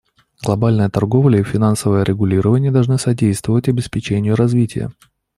Глобальная торговля и финансовое регулирование должны содействовать обеспечению развития.